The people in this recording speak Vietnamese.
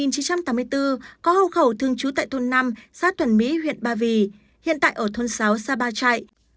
có hậu khẩu thương chú tại thôn năm xa tuần mỹ huyện ba vì hiện tại ở thôn sáu sapa chạy